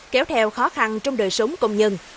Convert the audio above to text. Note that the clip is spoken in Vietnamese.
kéo theo khó khăn trong đời sống công nhân